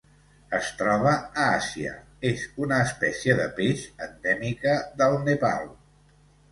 Es troba a Àsia: és una espècie de peix endèmica del Nepal.